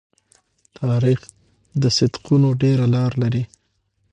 تاریخ د صدقونو ډېره لار لري.